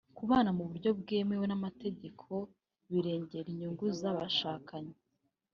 Kubana mu buryo bwemewe n’amategeko birengera inyungu z’abashakanye